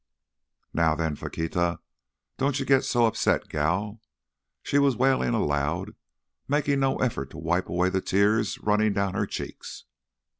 "Now then, Faquita, don't you git so upset, gal!" She was wailing aloud, making no effort to wipe away the tears running down her cheeks.